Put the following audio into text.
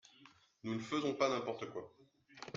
Nous ne faisons pas n’importe quoi.